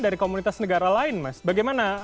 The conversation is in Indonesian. dari komunitas negara lain mas bagaimana